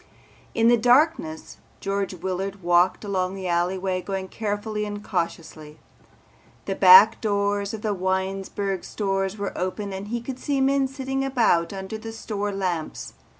In the darkness George Willard walked along the alleyway, going carefully and cautiously. The back doors of the Winesburg stores were open and he could see men sitting about under the store lamps.